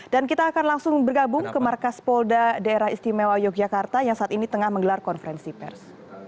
dan kita akan langsung bergabung ke markas polda daerah istimewa yogyakarta yang saat ini tengah menggelar konferensi pers